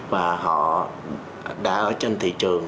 và họ đã ở trên thị trường